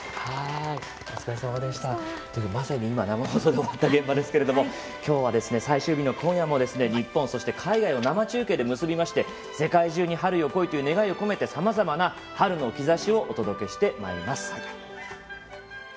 まさに今生放送の終わった現場ですがきょうは最終日の今夜も日本、そして海外と生中継で結びまして世界中に「春よ、来い！」という願いを込めてさまざまな「春の兆し」をお届けしてまいります。